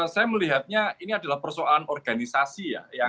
saya melihatnya ini adalah persoalan organisasi ya